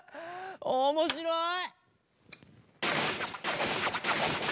おもしろい！